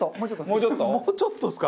もうちょっとです。